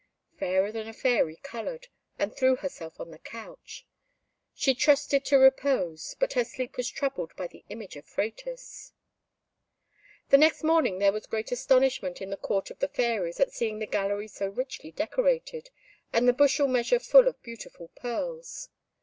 Fairer than a Fairy coloured, and threw herself on the couch. She trusted to repose, but her sleep was troubled by the image of Phratis. The next morning there was great astonishment in the Court of the Fairies at seeing the gallery so richly decorated, and the bushel measure full of beautiful pearls.